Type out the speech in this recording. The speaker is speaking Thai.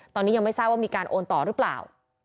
ตอนนี้ยังไม่ทราบว่ามีการโอนต่อหรือเปล่า